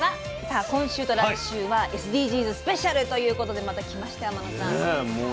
さあ今週と来週は「ＳＤＧｓスペシャル」ということでまた来ましたよ